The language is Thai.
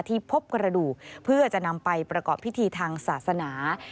พบกระดูกเพื่อจะนำไปประกอบพิธีทางศาสนา